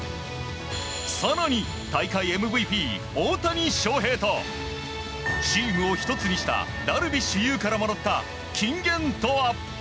更に、大会ＭＶＰ大谷翔平とチームを１つにしたダルビッシュ有からもらった金言とは。